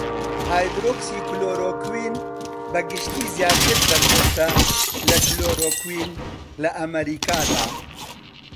هایدرۆکسی کلۆرۆکوین بەگشتی زیاتر بەردەستە لە کلۆرۆکوین لە ئەمەریکادا.